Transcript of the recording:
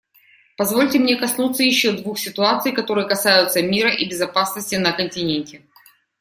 Позвольте мне коснуться еще двух ситуаций, которые касаются мира и безопасности на континенте.